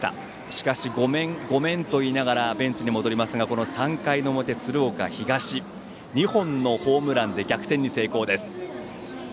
しかし、ごめんと言いながらベンチに戻りますがこの３回の表、鶴岡東２本のホームランで逆転に成功です。